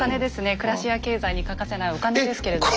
暮らしや経済に欠かせないお金ですけれども。